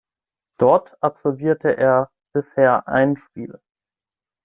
Dort absolvierte er bisher ein Spiel.